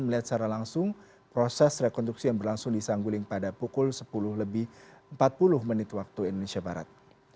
dan melihat secara langsung proses rekonstruksi yang berlangsung di sangguling pada pukul sepuluh lebih empat puluh menit waktu indonesia barat